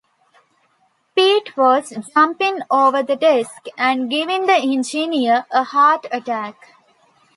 Pete was jumping over the desk and giving the engineer a heart attack.